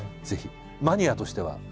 ぜひマニアとしては。